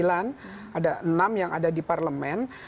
ada enam yang ada di parlemen